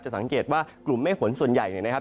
สังเกตว่ากลุ่มเมฆฝนส่วนใหญ่เนี่ยนะครับ